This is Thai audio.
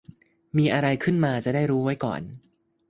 มีอะไรขึ้นมาจะได้รู้ไว้ก่อน